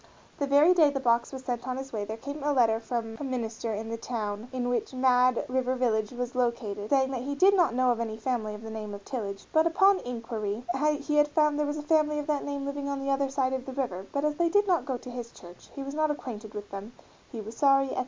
The very day the box was sent on its way there came a letter from a minister in the town in which Mad River Village was located, saying that he "did not know any family of the name of Tillage, but upon inquiry he had found that there was a family of that name living on the other side of the river, but as they did not go to his church he was not acquainted with them; he was sorry, etc.